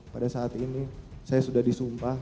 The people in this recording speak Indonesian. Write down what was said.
pada saat ini saya sudah disumpah